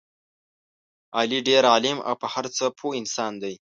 علي ډېر عالم او په هر څه پوه انسان دی.